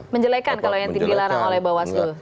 menjelekan kalau yang tinggi larang oleh bawah dulu